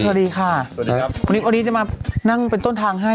สวัสดีค่ะสวัสดีครับวันนี้วันนี้จะมานั่งเป็นต้นทางให้